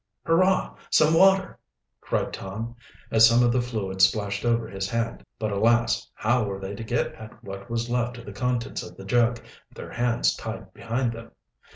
"Hurrah, some water!" cried Tom, as some of the fluid splashed over his hand. But, alas! how were they to get at what was left of the contents of the jug, with their hands tied behind them?